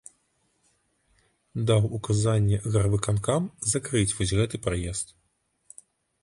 Даў указанне гарвыканкам закрыць вось гэты праезд.